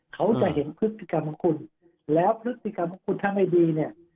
เขาจะเห็นพฤติกรรมของคุณแล้วพฤติกรรมของคุณถ้าไม่ดีเนี่ย